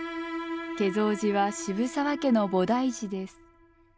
華蔵寺は渋沢家の菩提寺です。